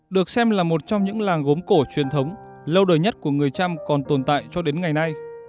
được xem là một trong những làng gốm cổ truyền thống lâu đời nhất của người trăm còn tồn tại cho đến ngày nay